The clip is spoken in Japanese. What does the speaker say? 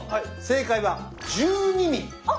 正解は１２ｍｍ！